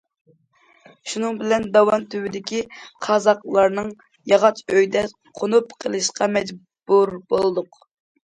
شۇنىڭ بىلەن داۋان تۈۋىدىكى قازاقلارنىڭ ياغاچ ئۆيىدە قونۇپ قېلىشقا مەجبۇر بولدۇق.